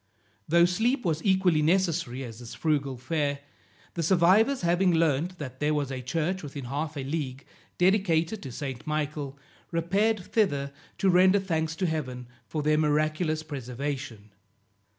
Though sleep was equally necessary as this frugal fare, the survivors having learned that there was a church within half a league, dedicated to St. Michael, repaired thither to render thanks to Heaven for their miraculous preservation.